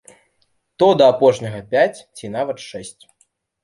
То да апошняга пяць ці нават шэсць.